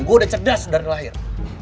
gue udah cerdas dari lahir